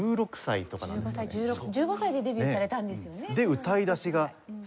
１５歳１６歳１５歳でデビューされたんですよね。